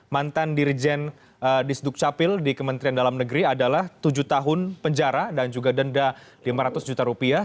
mantan dirjen disduk capil di kementerian dalam negeri adalah tujuh tahun penjara dan juga denda lima ratus juta rupiah